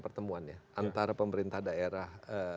pertemuan ya antara pemerintah daerah